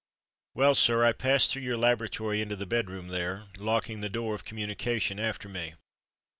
"Well, sir—I passed through your laboratory into the bed room there, locking the door of communication after me.